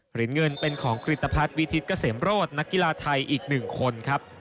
เหรียญเงินเป็นของกริตภัทรวิทิศเกษมโรธนักกีฬาไทยอีก๑คนครับ